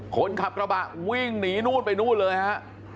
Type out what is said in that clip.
คนขับกระบะวิ่งหนีนู่นไปนู่นเลยฮะ